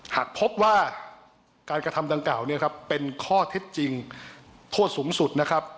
หากพบว่าการกระทำดังกล่าวเนี่ยครับเป็นข้อเท็จจริงโทษสูงสุดนะครับ